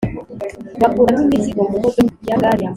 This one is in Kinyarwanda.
bakuramo imizigo mumodoka ya gari ya moshi.